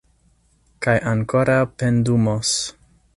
Kaj ankoraŭ pendumos.